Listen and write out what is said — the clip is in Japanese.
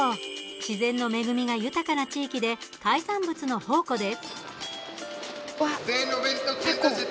自然の恵みが豊かな地域で海産物の宝庫です。